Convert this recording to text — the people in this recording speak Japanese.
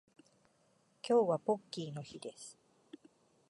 今日はポッキーの日です